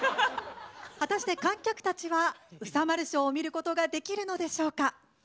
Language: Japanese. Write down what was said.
果たして観客たちはうさ丸ショーを見ることができるのでしょうか？